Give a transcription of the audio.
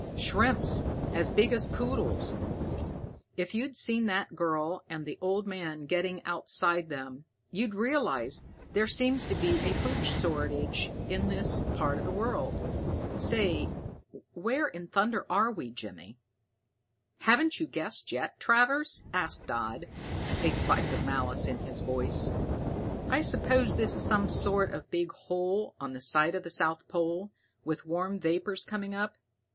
"Shrimps as big as poodles. If you'd seen that girl and the old man getting outside them, you'd realize that there seems to be a food shortage in this part of the world. Say, where in thunder are we, Jimmy?" "Haven't you guessed yet, Travers?" asked Dodd, a spice of malice in his voice. "I suppose this is some sort of big hole on the site of the south pole, with warm vapors coming up.